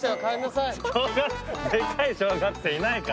でかい小学生いないから。